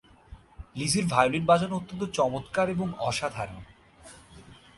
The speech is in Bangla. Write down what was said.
লিজির ভায়োলিন বাজানো অত্যন্ত চমৎকার এবং অসাধারণ।